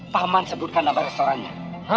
paman sebutkan nama restorannya